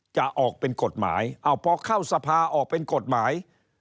จะออกเป็นกฎหมายพอเข้าสภาออกเป็นกฎหมาย